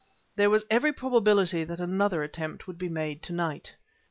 There was every probability that another attempt would be made to night.